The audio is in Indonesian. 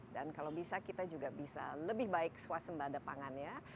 dan kalau bisa kita juga bisa lebih baik swasem pada pangan ya